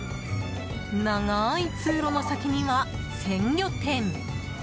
長い通路の先には、鮮魚店。